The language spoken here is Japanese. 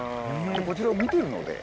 こちらを見てるので。